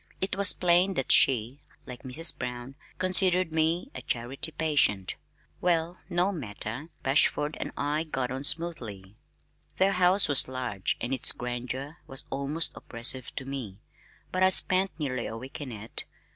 It was plain that she (like Mrs. Brown) considered me a "Charity Patient." Well, no matter, Bashford and I got on smoothly. Their house was large and its grandeur was almost oppressive to me, but I spent nearly a week in it.